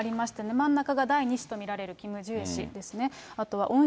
真ん中が第２子と見られるキム・ジュエ氏ですね。